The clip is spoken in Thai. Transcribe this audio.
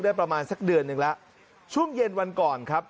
ประมาณสักเดือนหนึ่งแล้วช่วงเย็นวันก่อนครับ